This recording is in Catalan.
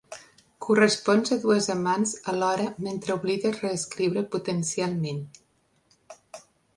Correspons a dues amants alhora mentre oblides reescriure potencialment.